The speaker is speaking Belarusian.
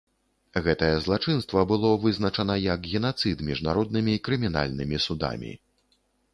Гэтае злачынства было вызначана як генацыд міжнароднымі крымінальнымі судамі.